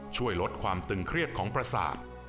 ช่วยลดความตึงเครียดของประสาท